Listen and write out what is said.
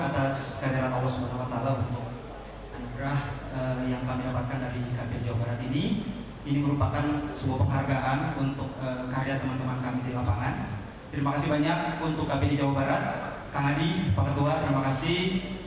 terima kasih banyak untuk kpid jawa barat kang adi pak ketua terima kasih